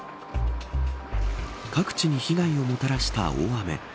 各地に被害をもたらした大雨。